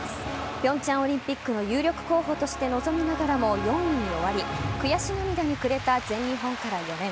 平昌オリンピックの有力候補として臨みながらも４位に終わり悔し涙にくれた全日本から４年。